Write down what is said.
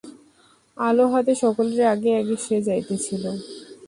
আলো হাতে সকলের আগে আগে সে যাইতেছিল।